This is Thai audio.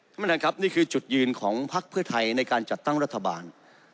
ท่านประธานครับนี่คือจุดยืนของพักเพื่อไทยในการจัดตั้งรัฐบาล